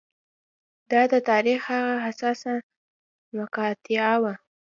دا د تاریخ هغه حساسه مقطعه وه